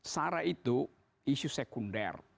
sarah itu isu sekunder